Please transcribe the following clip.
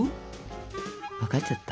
分かっちゃった？